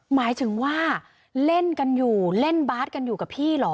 หมายถึงว่าเล่นกันอยู่เล่นบาสกันอยู่กับพี่เหรอ